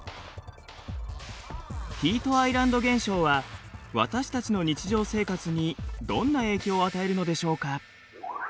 ヒートアイランド現象は私たちの日常生活にどんな影響を与えるのでしょうか？